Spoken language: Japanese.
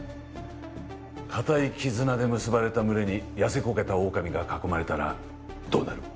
固い絆で結ばれた群れに痩せこけた狼が囲まれたらどうなる？